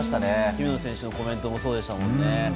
姫野選手もコメントもそうでしたよね。